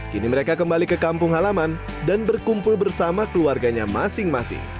kini mereka kembali ke kampung halaman dan berkumpul bersama keluarganya masing masing